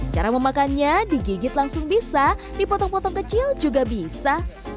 cara memakannya digigit langsung bisa dipotong potong kecil juga bisa